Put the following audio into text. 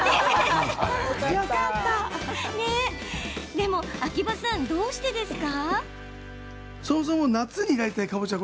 でも秋葉さん、どうしてですか？